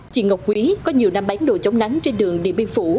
chị ngọc quý có nhiều năm bán đồ chống nắng trên đường điện biên phủ